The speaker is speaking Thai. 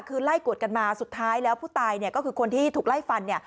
คือไล่กวดกันมาสุดท้ายแล้วผู้ตายเนี่ยก็คือคนที่ถูกไล่ฟันเนี่ย